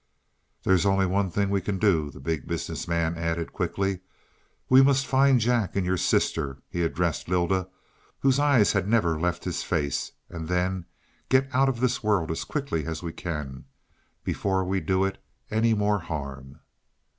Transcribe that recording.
"There's only one thing we can do," the Big Business Man added quickly. "We must find Jack and your sister," he addressed Lylda, whose eyes had never left his face, "and then get out of this world as quickly as we can before we do it any more harm."